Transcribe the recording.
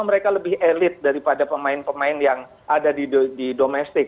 mereka lebih elit daripada pemain pemain yang ada di domestik